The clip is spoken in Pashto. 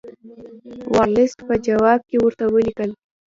ورلسټ په جواب کې ورته ولیکل.